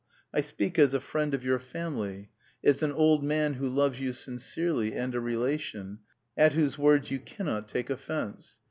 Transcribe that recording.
I speak as a friend of your family, as an old man who loves you sincerely and a relation, at whose words you cannot take offence....